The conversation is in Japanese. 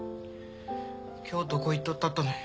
今日どこ行っとったとね？